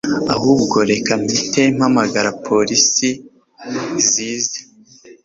Ahubwo reka mpite mpamagara police zize